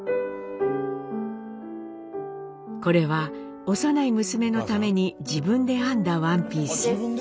これは幼い娘のために自分で編んだワンピース。